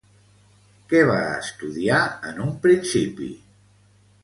Què va estudiar en un principi?